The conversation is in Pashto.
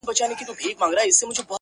محفل به رنګین نه کي دا سوځلي وزرونه!!